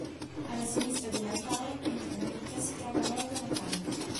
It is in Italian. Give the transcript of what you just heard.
Alla sinistra dell'altare, entro una nicchia, si trova l'organo a canne.